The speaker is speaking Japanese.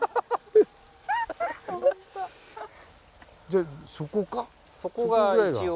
じゃそこか？